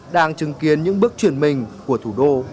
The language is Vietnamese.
đang chứng kiến những bước chuyển mình của thủ đô